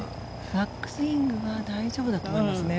バックスイングは大丈夫だと思いますね。